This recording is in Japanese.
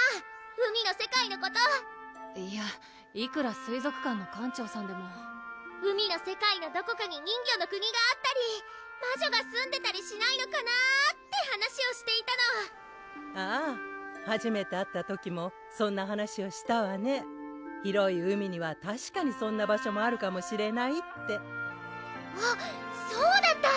海の世界のこといやいくら水族館の館長さんでも海の世界のどこかに人魚の国があったり魔女が住んでたりしないのかなって話をしていたのあぁはじめて会った時もそんな話をしたわね広い海にはたしかにそんな場所もあるかもしれないってあっそうだった！